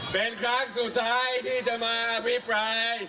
เป็นครั้งสุดท้ายที่จะมาอภิปราย